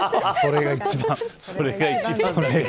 それが一番。